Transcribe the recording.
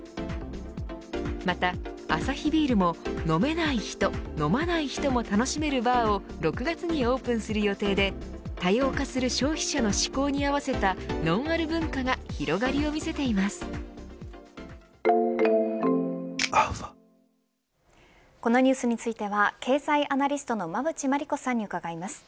またアサヒビールも飲めない人、飲まない人も楽しめるバーを６月にオープンする予定で多様化する消費者の嗜好に合わせたノンアル文化がこのニュースについては経済アナリストの馬渕磨理子さんに伺います。